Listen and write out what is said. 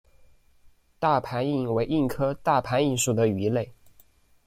大盘䲟为䲟科大盘䲟属的鱼类。